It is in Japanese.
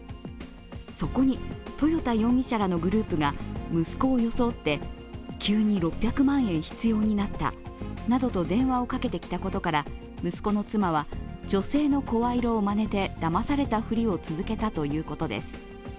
そこに豊田容疑者らのグループが息子を装って、急に６００万円必要になったなどと電話をかけてきたことから息子の妻は女性の声色をまねてだまされたふりを続けたということです。